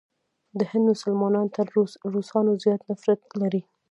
د هند مسلمانان تر روسانو زیات نفرت لري.